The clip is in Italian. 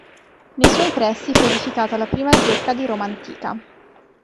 Nei suoi pressi fu edificata la prima zecca di Roma antica.